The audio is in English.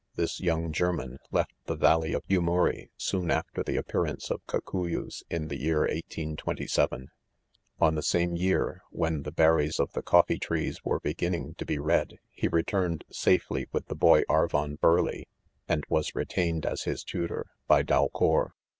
— This young German left "the valley of 1£ urawl soon after the appearance : of cocnyas in th@ year 1827, On the same year, ..when the ■.•.'ber ries, of the coffee trees were beginning to. ;be red, he returned safely with the boy Arvom Burleigh, and was retained' as [his tutor,.: by Dalcour.